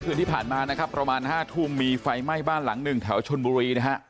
คืนที่ผ่านมานะครับประมาณ๕ทุ่มมีไฟไหม้บ้านหลังหนึ่งแถวชนบุรีนะฮะ